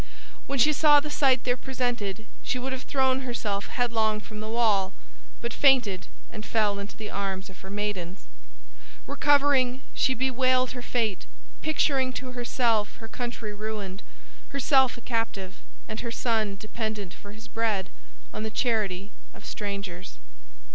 When she saw the sight there presented, she would have thrown herself headlong from the wall, but fainted and fell into the arms of her maidens. Recovering, she bewailed her fate, picturing to herself her country ruined, herself a captive, and her son dependent for his bread on the charity of strangers.